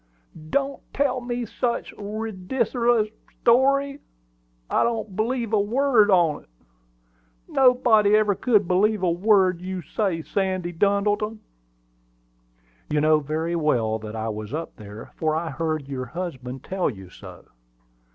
"Don't tell me such a ry dicerlous story! I don't believe a word on't. Nobody ever could believe a word you say, Sandy Duddleton!" "You know very well that I was up there; for I heard your husband tell you so.